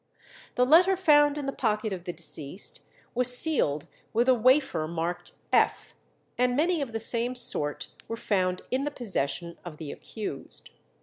The letter found in the pocket of the deceased was sealed with a wafer marked F, and many of the same sort were found in the possession of the accused.